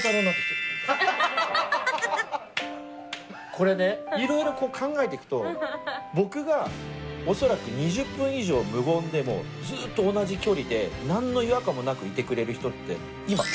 これね色々考えてくと僕がおそらく２０分以上無言でもずっと同じ距離で何の違和感もなくいてくれる人って。